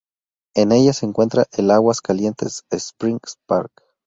En ella se encuentra el Aguas Caliente Springs Park.